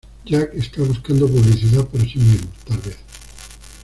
Jake está buscando publicidad para sí mismo, tal vez.